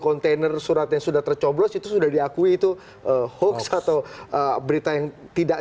kontainer surat yang sudah tercoblos itu sudah diakui itu hoax atau berita yang tidak